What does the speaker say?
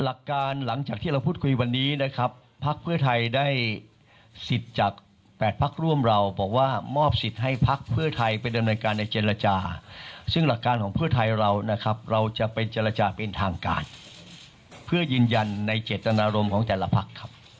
หลักการหลังจากที่เราพูดคุยวันนี้นะครับพักเพื่อไทยได้สิทธิ์จาก๘พักร่วมเราบอกว่ามอบสิทธิ์ให้พักเพื่อไทยไปดำเนินการในเจรจาซึ่งหลักการของเพื่อไทยเรานะครับเราจะไปเจรจาเป็นทางการเพื่อยืนยันในเจตนารมณ์ของแต่ละพักครับ